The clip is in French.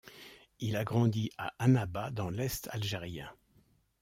Il a grandi à Annaba dans l’Est algérien.